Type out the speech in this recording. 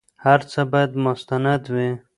هر څه بايد مستند وي.